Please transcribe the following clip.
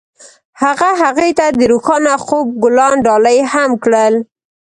هغه هغې ته د روښانه خوب ګلان ډالۍ هم کړل.